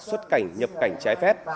xuất cảnh nhập cảnh trái phép